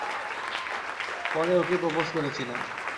পরে ওকে প্রপোজ করেছিলাম।